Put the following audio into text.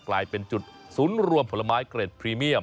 กลายเป็นจุดศูนย์รวมผลไม้เกร็ดพรีเมียม